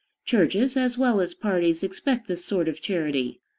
Churches, as well as parties, expect this sort of charity.